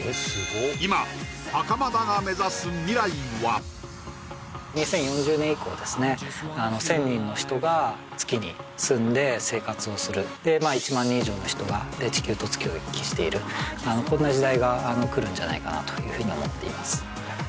今２０４０年以降ですね１０００人の人が月に住んで生活をするでまあ１万人以上の人が地球と月を行き来しているこんな時代がくるんじゃないかなというふうに思っています